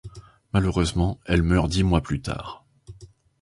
Malheureusement, elle meurt dix mois plus tard.